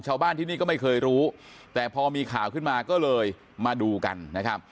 ชาวบ้านที่นี่ก็ไม่เคยรู้แต่พอมีข่าวขึ้นมาก็เลยมาดูกันนะครับ